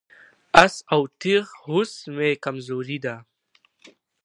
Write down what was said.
آس او تیغ هوس مې کمزوري ده.